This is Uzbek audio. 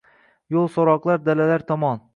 Yo’l so’roqlar dalalar tomon…